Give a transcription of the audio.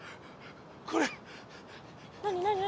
これ何何何？